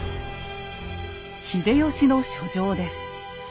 秀吉の書状です。